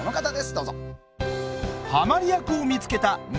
どうぞ。